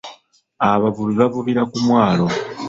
Abavubi bavubira ku mwalo.